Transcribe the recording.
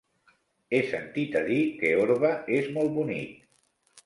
He sentit a dir que Orba és molt bonic.